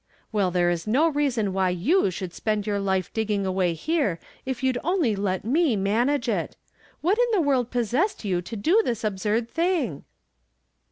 " Well, there is no reason why you should spend your life digging away here, if you'd only let me manage it. What in the world possessed you to do this absurd thing